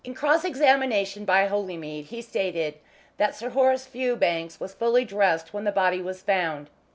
In cross examination by Holymead he stated that Sir Horace Fewbanks was fully dressed when the body was found.